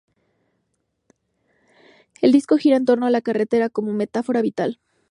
El disco gira en torno a la carretera como metáfora vital.